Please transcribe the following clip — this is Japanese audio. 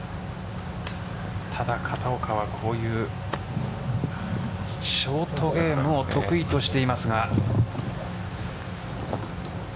ただ、片岡はこういうショートゲームを得意としていますが。